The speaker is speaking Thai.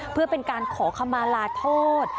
เพื่อเป็นการขอคำมาลาโทษ